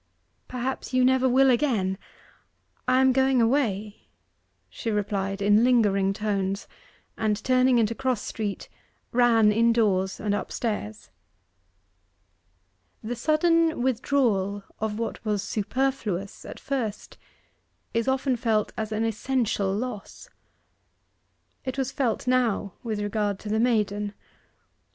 'Perhaps you never will again I am going away,' she replied in lingering tones; and turning into Cross Street, ran indoors and upstairs. The sudden withdrawal of what was superfluous at first, is often felt as an essential loss. It was felt now with regard to the maiden.